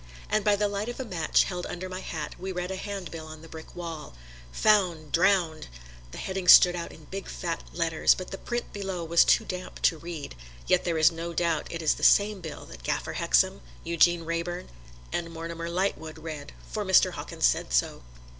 And by the light of a match held under my hat we read a handbill on the brick wall: "Found Drowned!" The heading stood out in big, fat letters, but the print below was too damp to read, yet there is no doubt it is the same bill that Gaffer Hexam, Eugene Wrayburn and Mortimer Lightwood read, for Mr. Hawkins said so.